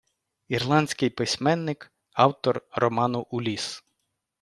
Ірландський письменник, автор роману «Улісс».